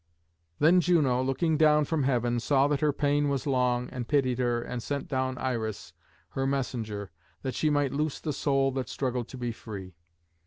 ] Then Juno, looking down from heaven, saw that her pain was long, and pitied her, and sent down Iris, her messenger, that she might loose the soul that struggled to be free.